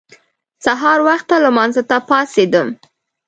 سهار وخته لمانځه ته پاڅېدم.